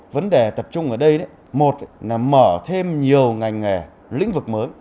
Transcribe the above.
vấn đề tập trung ở đây một là mở thêm nhiều ngành nghề lĩnh vực mới